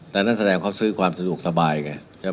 แต่นั่นแสดงเขาซื้อความสะดวกสบายไงใช่ไหม